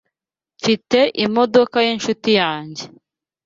Mfite imodoka yinshuti yanjye